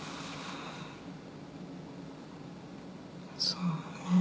そうね。